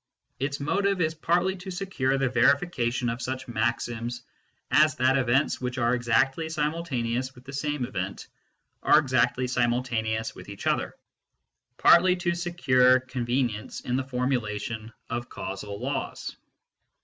Its motive is partly to secure the verifica tion of such maxims as that events which are exactly simultaneous with the same event are exactly simul taneous with one another, partly to secure convenience in the formulation of causal laws.